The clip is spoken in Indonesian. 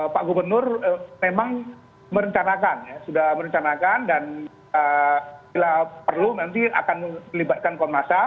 pak gubernur memang merencanakan ya sudah merencanakan dan bila perlu nanti akan melibatkan komnas ham